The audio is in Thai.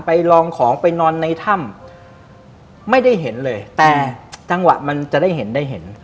ลองของไปนอนในถ้ำไม่ได้เห็นเลยแต่จังหวะมันจะได้เห็นได้เห็น